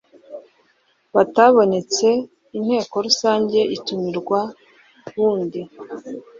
batabonetse Inteko Rusange itumirwa bundi